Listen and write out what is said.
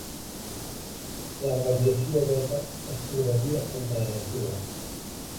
La radiació beta es trobaria entre les dues.